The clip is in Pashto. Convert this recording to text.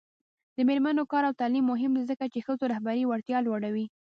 د میرمنو کار او تعلیم مهم دی ځکه چې ښځو رهبري وړتیا لوړوي